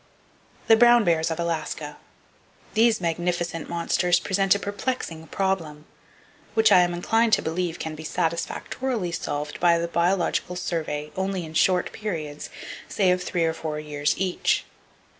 The Brown Bears Of Alaska. —These magnificent monsters present a perplexing problem, which I am inclined to believe can be satisfactorily solved by the Biological Survey only in short periods, say of three or four years each.